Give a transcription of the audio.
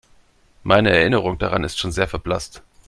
Meine Erinnerung daran ist schon sehr verblasst.